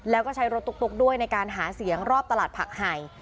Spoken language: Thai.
แล้วก็ใช้รถตุ๊กด้วยในการหาเสียงรอบตลาดผักไห่